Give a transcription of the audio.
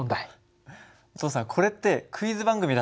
お父さんこれってクイズ番組だったの？